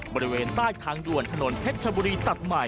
บริเวณใต้ทางด่วนถนนเพชรชบุรีตัดใหม่